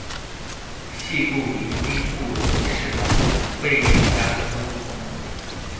系故明兵部左侍郎魏应嘉孙。